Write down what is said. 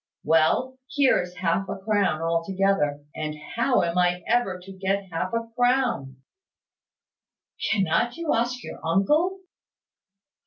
Well, here is half a crown altogether; and how am I ever to get half a crown?" "Cannot you ask your uncle?"